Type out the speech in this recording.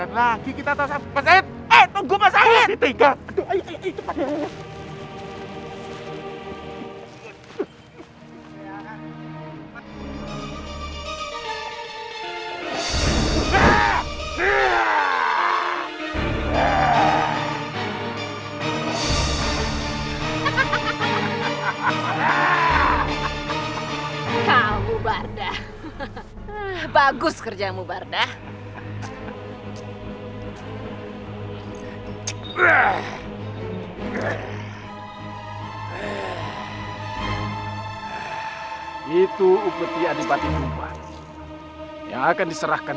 nggak mak padahal di kampung sebelah sudah mulai bisa makan